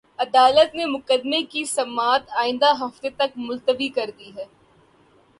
عدالت نے مقدمے کی سماعت آئندہ ہفتے تک ملتوی کر دی ہے